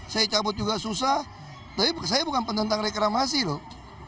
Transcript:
saya cabut juga susah tapi saya bukan penentang reklamasi loh